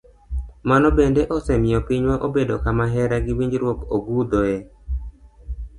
Mano bende osemiyo pinywa obedo kama hera gi winjruok ogundhoe.